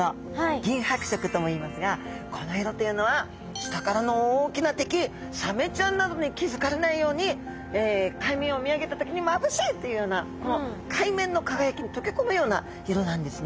銀白色ともいいますがこの色というのは下からの大きな敵海面を見上げた時にまぶしいっていうような海面の輝きに溶け込むような色なんですね。